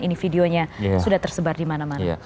ini videonya sudah tersebar di mana mana